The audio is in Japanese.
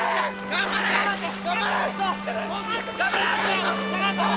頑張れー！